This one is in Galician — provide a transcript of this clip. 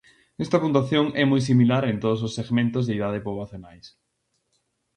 Esta puntuación é moi similar en todos os segmentos de idade poboacionais.